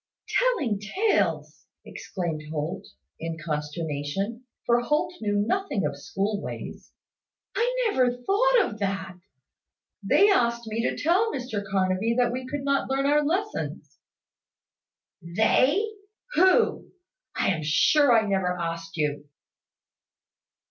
"Telling tales!" exclaimed Holt, in consternation, for Holt knew nothing of school ways. "I never thought of that. They asked me to tell Mr Carnaby that we could not learn our lessons." "They! Who? I am sure I never asked you."